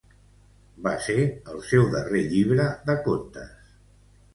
Va ser el seu darrer llibre de contes.